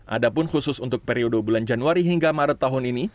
ada pun khusus untuk periode bulan januari hingga maret tahun ini